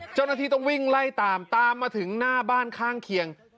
เจ้าหน้าที่ต้องวิ่งไล่ตามตามมาถึงหน้าบ้านข้างเคียง